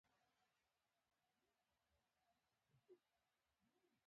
غوسه، خپګان، ویره، ډېره خوښي هر یو احساسات دي.